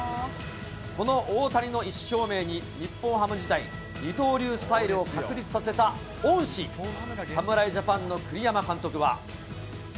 この大谷の意思表明に日本ハム時代、二刀流スタイルを確立させた恩師、侍ジャパンの栗山監督は。